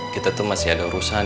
kita tuh masih ada urusan